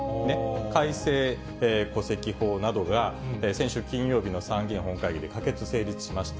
改正戸籍法などが先週金曜日の参議院本会議で可決・成立しました。